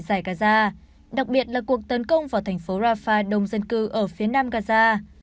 giải gaza đặc biệt là cuộc tấn công vào thành phố rafah đông dân cư ở phía nam gaza